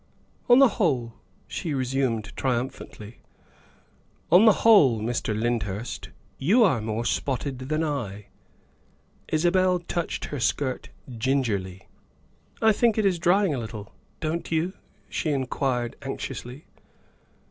" On the whole," she resumed triumphantly, " on the whole, Mr. Lyndhurst, you are more spotted than I." Isabel touched her skirt gingerly. " I think it is drying a little, don't you?" she in quired anxiously.